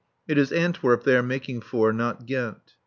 It is Antwerp they are making for, not Ghent.